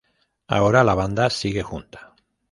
Ahora la banda sigue junta.